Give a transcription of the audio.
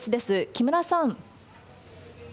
木村さん。